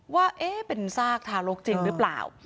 ว่าเป็นซากทารกจริงหรือเปล่า